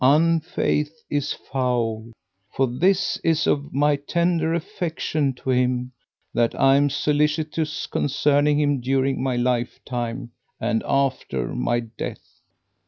Unfaith is foul!' For this is of my tender affection to him, that I am solicitous concerning him during my lifetime and after my death.'